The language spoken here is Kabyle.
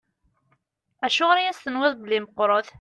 Acuɣer i as-tenwiḍ belli meqqṛet?